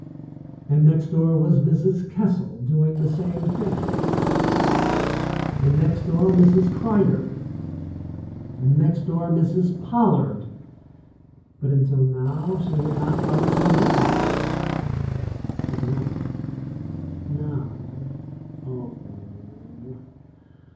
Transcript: And next door was Mrs. Kessel doing the same thing. And next door Mrs. Cryder. And next door Mrs. Pollard. But, until now, she had not thought it so bad. But now — now — oh